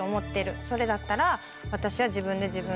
それだったら私は。